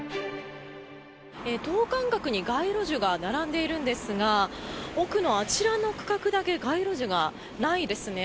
等間隔に街路樹が並んでいるんですが奥のあちらの区画だけ街路樹がないですね。